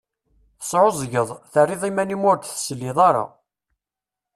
Tesεuẓẓgeḍ, terriḍ iman-im ur d-tesliḍ ara.